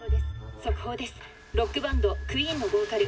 速報です。